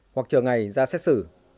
hoặc chờ ngày ra xét xử